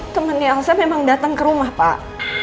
temannya elsa memang datang ke rumah pak